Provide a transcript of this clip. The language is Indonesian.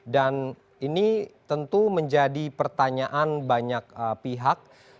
dan ini tentu menjadi pertanyaan banyak pihak